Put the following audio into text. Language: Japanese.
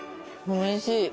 おいしい？